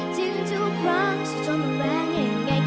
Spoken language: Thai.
จึงทุกครั้งส่วนตัวมันว่ายังไง